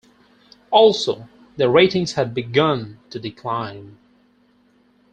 Also, the ratings had begun to decline.